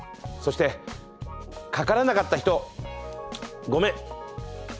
そしてかからなかった人ごめん。